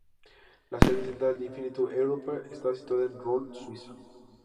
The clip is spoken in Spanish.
La sede central de Infiniti Europe está situada en Rolle, Suiza.